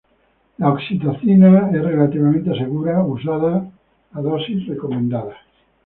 La oxitocina es relativamente segura usada a las dosis recomendadas.